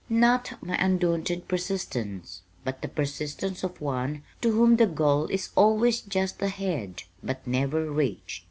Not my undaunted persistence, but the persistence of one to whom the goal is always just ahead, but never reached.